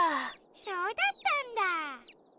そうだったんだ！